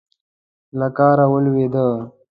له کاره ولوېده.